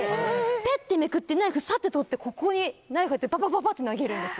ぺってめくってナイフさって取ってここにナイフやってバババって投げるんです。